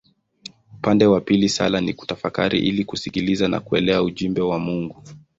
Upande wa pili sala ni kutafakari ili kusikiliza na kuelewa ujumbe wa Mungu.